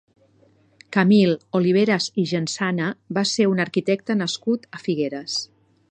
Camil Oliveras i Gensana va ser un arquitecte nascut a Figueres.